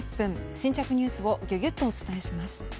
新着ニュースをギュギュッとお伝えします。